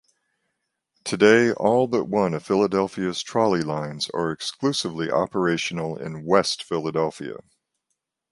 Today, all but one of Philadelphia's trolley lines are exclusively operational in West Philadelphia.